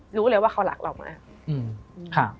รู้เลยว่าเขารักเรามาก